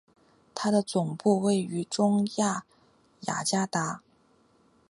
它的总部位于中亚雅加达。